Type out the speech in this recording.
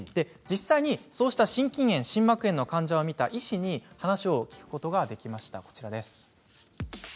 実際にそうした心筋炎、心膜炎の患者を診た医師に話を聞くことができました。